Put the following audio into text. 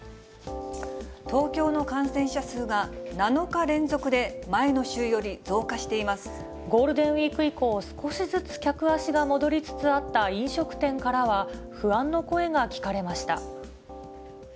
東京の感染者数が、７日連続ゴールデンウィーク以降、少しずつ客足が戻りつつあった飲食店からは、不安の声が聞かれま